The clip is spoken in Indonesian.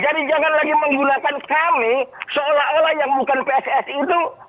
jadi jangan lagi menggunakan kami seolah olah yang bukan pssi itu